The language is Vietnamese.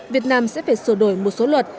việt nam sẽ phải sửa đổi một số luật